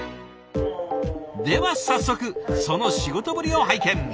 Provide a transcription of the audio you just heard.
では早速その仕事ぶりを拝見。